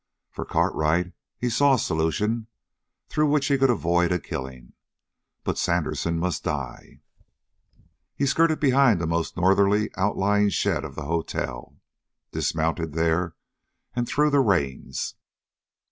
For Cartwright he saw a solution, through which he could avoid a killing, but Sandersen must die. He skirted behind the most northerly outlying shed of the hotel, dismounted there, and threw the reins.